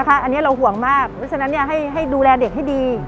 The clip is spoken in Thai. อันนี้เราห่วงมากเพราะฉะนั้นให้ดูแลเด็กให้ดี